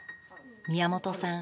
宮本さん